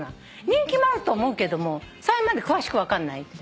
人気もあると思うけどもそれまで詳しく分かんない。